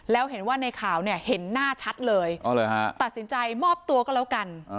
แล้วเห็นว่าในข่าวเนี่ยเห็นหน้าชัดเลยตัดสินใจมอบตัวก็แล้วกัน